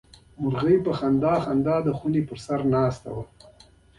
مرغۍ په خندا سره د کور په چت کې ناسته وه.